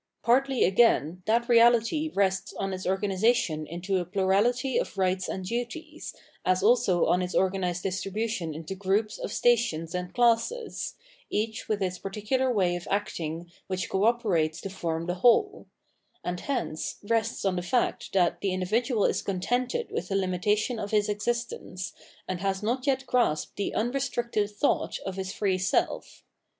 Partly, agaiu, that reahty rests on its organisation iuto a plurahty of rights and duties, as also on its organised distribution into groups of stations and classes, each with its particular way of acting which co operates to form the whole ; and hence rests on the fact that the individual is contented with the limitation of his existence, and has not yet grasped the unrestricted thought of his free self.